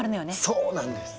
そうなんです！